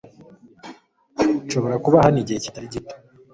Nshobora kuba hano igihe kitari gito .